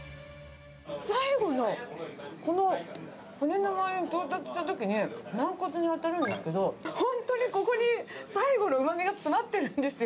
最後のこの骨の周りに到達したときに、軟骨に当たるんですけど、本当にここに最後のうまみが詰まってるんですよ。